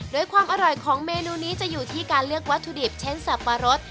โดยความอร่อยของเมนูนี้จะอยู่ที่การเลือกวัตถุดิบเช่นสับปะรด